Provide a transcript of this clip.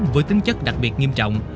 với tính chất đặc biệt nghiêm trọng